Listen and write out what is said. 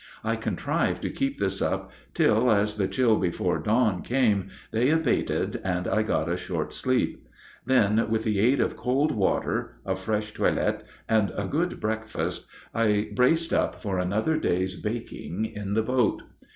I contrived to keep this up till, as the chill before dawn came, they abated and I got a short sleep. Then, with the aid of cold water, a fresh toilet, and a good breakfast, I braced up for another day's baking in the boat.